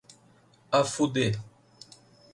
Afudê